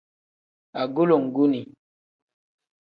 Agulonguni.